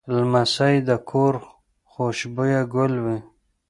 لمسی د کور خوشبویه ګل وي.